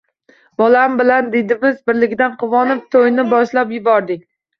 Bolam bilan didimiz birligidan quvonib to`yni boshlab yubordik